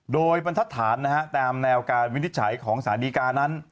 โดยบันทัศนธรรมแนวการวินิจฉัยของสาธิกานั้น